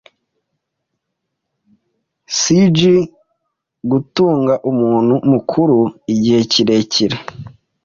cg gutunga umuntu mukuru igihe kirekire